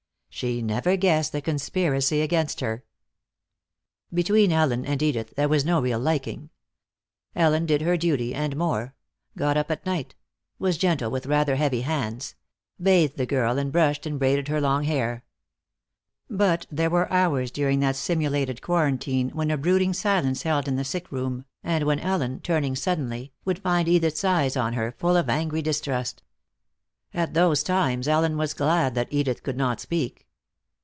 She never guessed the conspiracy against her. Between Ellen and Edith there was no real liking. Ellen did her duty, and more; got up at night; was gentle with rather heavy hands; bathed the girl and brushed and braided her long hair. But there were hours during that simulated quarantine when a brooding silence held in the sick room, and when Ellen, turning suddenly, would find Edith's eyes on her, full of angry distrust. At those times Ellen was glad that Edith could not speak.